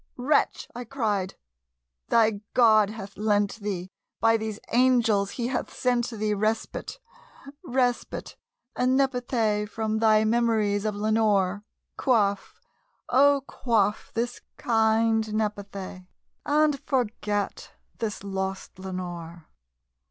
"Wretch," I cried, "thy God hath lent thee by these angels he hath sent thee Respite respite aad nepenthé from thy memories of Lenore! Quaff, oh quaff this kind nepenthé, and forget this lost Lenore!"